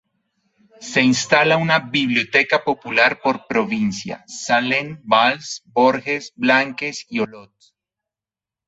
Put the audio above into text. Se instala una biblioteca popular por provincia: Sallent, Valls, Borges Blanques y Olot.